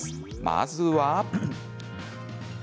まずは。